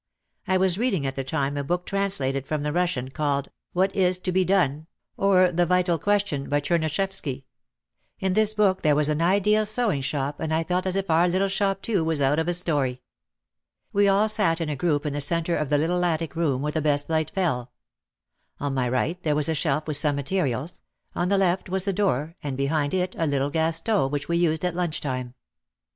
I was reading at the time a book translated from the Russian called, "What Is to Be Done, or The Vital Question," by Cherneshefsky. In this book there was an ideal sewing shop and I felt as if our little shop too was out of a story. We all sat in a group in the centre of the little attic room where the best light fell. On my right there was a shelf with some materials, on the left was the door and behind it a little gas stove which we used at lunch time.